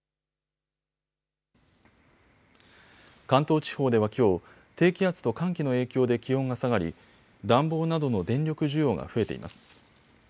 関東地方ではきょう、低気圧と寒気の影響で気温が下がり暖房などの電力需要が増えています。